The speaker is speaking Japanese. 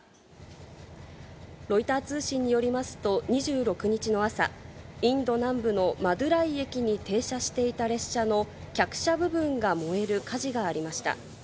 ロイター通信によりますと、２６日の朝、インド南部のマドゥライ駅に停車していた列車の客車部分が燃える火事がありました。